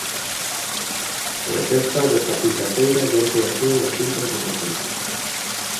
Protesta desta quinta feira diante da sede da Xunta en Compostela.